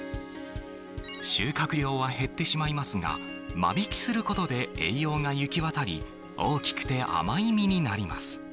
収穫量は減ってしまいますが、間引きすることで栄養が行き渡り、大きくて甘い実になります。